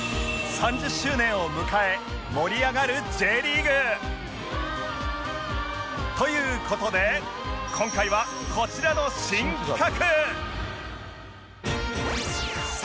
３０周年を迎え盛り上がる Ｊ リーグという事で今回はこちらの新企画！